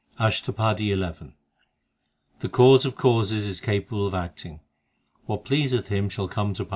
ASHTAPADI XI i The Cause of causes is capable of acting ; What pleaseth Him shall come to pass.